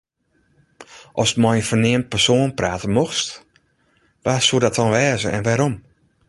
Ast mei in ferneamd persoan prate mochtst, wa soe dat dan wêze en wêrom?